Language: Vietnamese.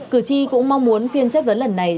cử tri cũng mong muốn phiên chất vấn lần này